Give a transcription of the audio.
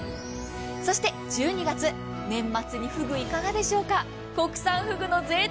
そして１２月年末にふぐ、いかがでしょうか。